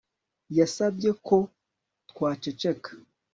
Yasabye ko twaceceka